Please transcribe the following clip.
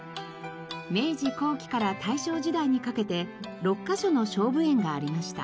明治後期から大正時代にかけて６カ所の菖蒲園がありました。